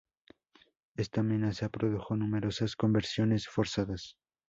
Esta amenaza produjo numerosas conversiones forzadas.